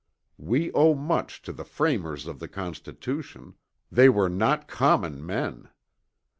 We owe much to the framers of the Constitution; they were not common men.